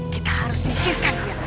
kita harus singkirkan dia